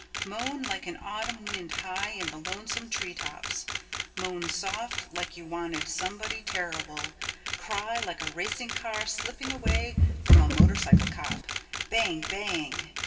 Moan like an autumn wind high in the lonesome tree tops, moan soft like you wanted somebody terrible, cry like a racing car slipping away from a motorcycle cop, bang bang!